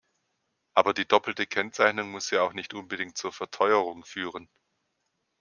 Aber die doppelte Kennzeichnung muss ja auch nicht unbedingt zur Verteuerung führen.